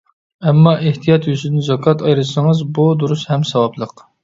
ئەمما، ئېھتىيات يۈزىسىدىن زاكات ئايرىسىڭىز بۇ دۇرۇس ھەم ساۋابلىق.